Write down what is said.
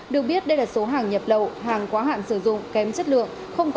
được biết đây là số hàng nhập lậu hàng quá hạn sử dụng